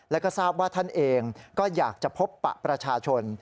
แล้วก็ทราบว่าท่านเองก็อยากจะพบปะประชาชน